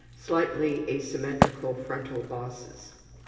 Slightly asymmetrical frontal bosses.